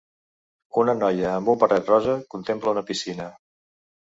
Una noia amb un barret rosa contempla una piscina.